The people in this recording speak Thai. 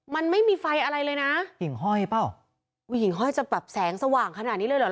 มันไม่มีไฟอะไรเลยนะหญิงห้อยเปล่าผู้หญิงห้อยจะแบบแสงสว่างขนาดนี้เลยเหรอ